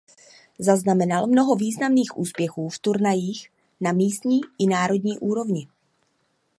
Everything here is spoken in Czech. Zaznamenal mnoho významných úspěchů v turnajích na místní i národní úrovni.